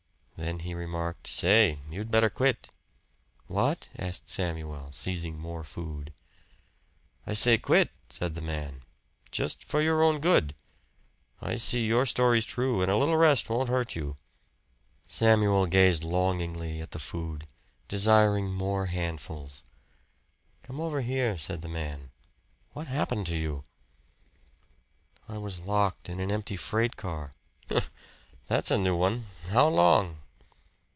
Then he remarked, "Say, you'd better quit." "What?" asked Samuel, seizing more food. "I say quit," said the man. "Just for your own good. I see your story's true, an' a little rest won't hurt you." Samuel gazed longingly at the food, desiring more handfuls. "Come over here," said the man. "What happened to you?" "I was locked in an empty freight car." "Humph! That's a new one! How long?"